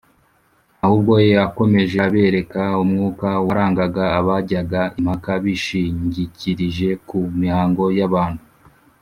ahubwo yakomeje abereka umwuka warangaga abajyaga impaka bishingikirije ku mihango y’abantu